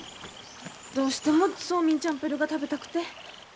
どうしてもソーミンチャンプルーが食べたくて。